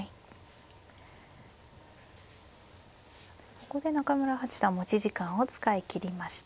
ここで中村八段持ち時間を使い切りました。